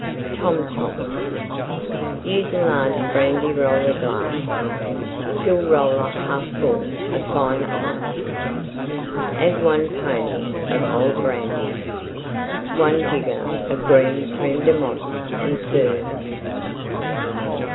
TOM TOM Use a large Brandy Roller glass. Fill Roller half full of Fine Ice. Add 1 pony of Old Brandy. 1 jigger of green Creme de Menthe and serve.